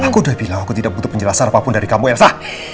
aku udah bilang aku tidak butuh penjelasan apapun dari kamu yang sah